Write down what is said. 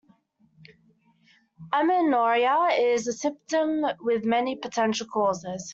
Amenorrhoea is a symptom with many potential causes.